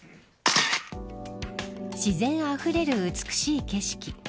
自然があふれる美しい景色。